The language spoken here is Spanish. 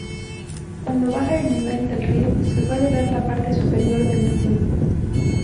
Cuando baja el nivel del río se puede ver la parte superior del mismo.